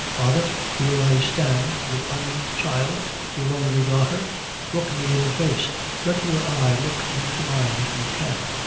"Father, here I stand your own child your only daughter; look me in the face let your eye look into mine, if you can.